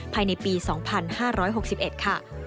ภายในปี๒๕๖๑ค่ะ